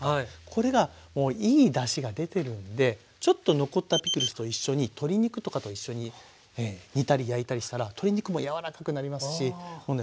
これがいいだしが出てるんでちょっ残ったピクルスと一緒に鶏肉とかと一緒に煮たり焼いたりしたら鶏肉も柔らかくなりますしもうね